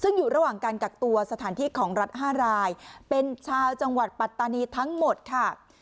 ซึ่งอยู่ระหว่างการกักตัวสถานที่ของรัฐ๕รายเป็นชาวจังหวัดปัตตานีทั้งหมดค่ะ